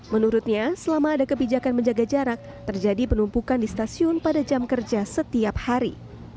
menurutnya selama ada kebijakan menjaga jarak terjadi penumpukan di stasiun pada jam kerja setiap hari